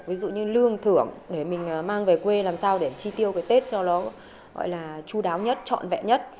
ví dụ như lương thưởng để mình mang về quê làm sao để chi tiêu cái tết cho nó gọi là chú đáo nhất trọn vẹn nhất